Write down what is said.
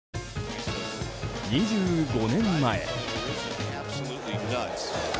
２５年前。